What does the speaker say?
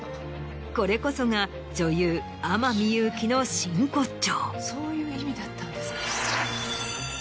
これこそが女優天海祐希の真骨頂。